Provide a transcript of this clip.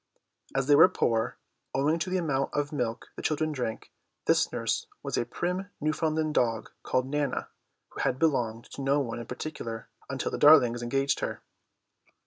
As they were poor, owing to the amount of milk the children drank, this nurse was a prim Newfoundland dog, called Nana, who had belonged to no one in particular until the Darlings engaged her.